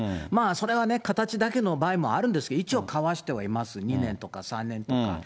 それはね、形だけの場合もあるんですが、一応、交わしてはいます、２年とか３年とか。